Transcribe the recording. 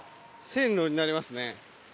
線路になりますね。